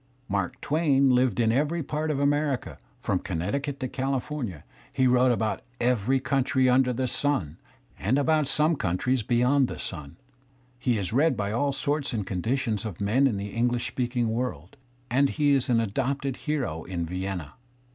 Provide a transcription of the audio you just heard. Mark Twain hved in every part of America, from Connecticut to California, he wrote about every country imder the sim (and about some coimtries beyond the sim), he is read by all sorts and conditions of men in the English speaking worid, and he is an adopted hero in Vienna.